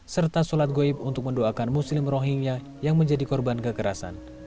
serta sholat goib untuk mendoakan muslim rohingya yang menjadi korban kekerasan